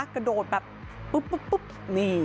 กระโดดแบบปุ๊บปุ๊บปุ๊บนี่